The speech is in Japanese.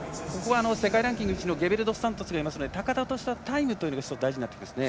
世界ランキング１位のゲベルドスサントスがいますので高田としてはタイムが大事になりますね。